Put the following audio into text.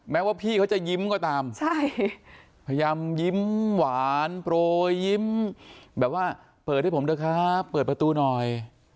ว่าพี่เขาจะยิ้มก็ตามใช่พยายามยิ้มหวานโปรยยิ้มแบบว่าเปิดให้ผมเถอะครับเปิดประตูหน่อย